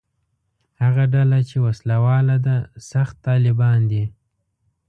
هغه ډله چې وسله واله ده «سخت طالبان» دي.